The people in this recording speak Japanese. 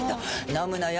飲むのよ